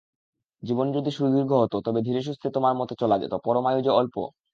জীবন যদি সুদীর্ঘ হত তবে ধীরেসুস্থে তোমার মতে চলা যেত, পরমায়ূ যে অল্প।